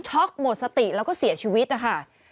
ช็อกหมดสติแล้วก็เสียชีวิตค่ะ